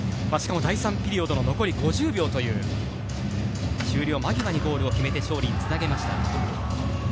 しかも第３ピリオドの残り５０秒という、終了間際にゴールを決めました。